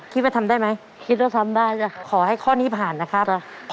ความเร็วเริ่มมาแล้วครับตอนนี้นะครับ